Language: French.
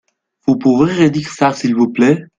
Vous pouvez redire ça s'il vous plait ?